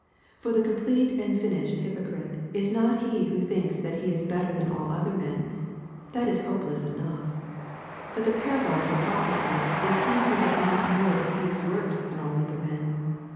For the complete and finished hypocrite is not he who thinks that he is better than all other men; that is hopeless enough; but the paragon of hypocrisy is he who does not know that he is worse than all other men.